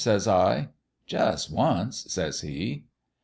' says I. "' Jus' once,' says he.